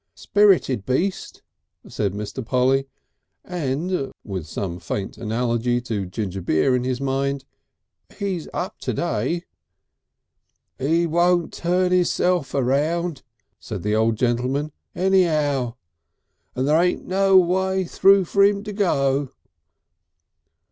"Spirited beast," said Mr. Polly. "And," with some faint analogy to ginger beer in his mind "he's up to day." "'E won't turn 'isself round," said the old gentleman, "anyow. And there ain't no way through for 'im to go."